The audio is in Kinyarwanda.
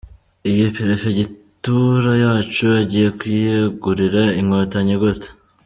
iyi Perefegitura yacu agiye kuyegurira Inkotanyi gute ?”.